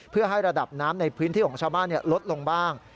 เพื่อให้ระดับน้ำในพื้นที่ของชาวบ้านลดลงบ้าง